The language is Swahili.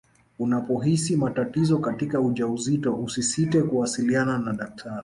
unapohisi matatizo katika ujauzito usisite kuwasiliana na daktari